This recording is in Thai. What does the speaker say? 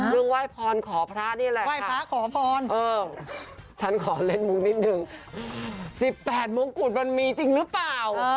เรื่องไหว้พรขอพระนี่แหละค่ะเออฉันขอเล่นมุมนิดนึงสิบแปดมงกุฎมันมีจริงหรือเปล่า